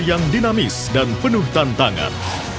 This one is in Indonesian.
yang dinamis dan penuh tantangan